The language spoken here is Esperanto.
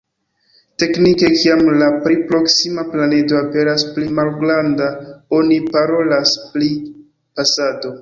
Teknike, kiam la pli proksima planedo aperas pli malgranda oni parolas pri pasado.